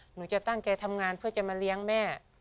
หนูจะตั้งใจทำงานเพื่อจะมาเลี้ยงแม่